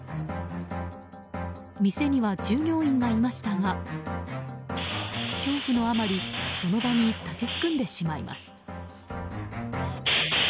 店には従業員がいましたが恐怖のあまりその場に立ちすくんでしまいます。